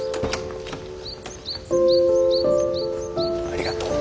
ありがとう。